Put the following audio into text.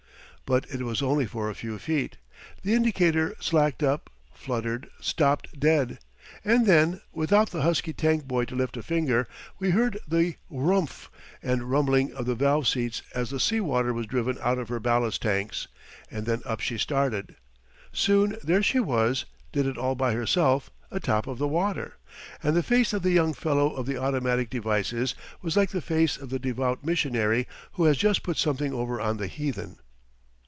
But it was only for a few feet. The indicator slacked up, fluttered, stopped dead. And then without the husky tank boy to lift a finger we heard the rumph h and rumbling of the valve seats as the sea water was driven out of her ballast tanks; and then up she started. Soon there she was did it all by herself atop of the water. And the face of the young fellow of the automatic devices was like the face of the devout missionary who has just put something over on the heathen.